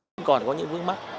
vẫn còn có những vướng mắt